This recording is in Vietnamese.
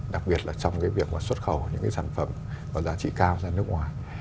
đặc biệt là trong cái việc mà xuất khẩu những cái sản phẩm có giá trị cao ra nước ngoài